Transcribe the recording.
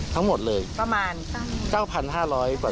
ทั้งหมดเลยประมาณ๙๕๐๐กว่า